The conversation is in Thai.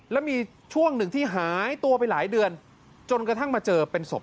แล้วมีช่วงหนึ่งที่หายตัวไปหลายเดือนจนกระทั่งมาเจอเป็นศพ